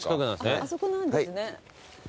あそこなんですね。